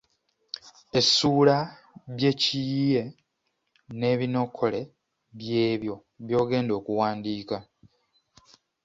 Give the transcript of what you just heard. Essuula by’ekiyiiye n’ebinokole by’ebyo by’ogenda okuwandiika